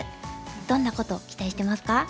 どんなことを期待してますか？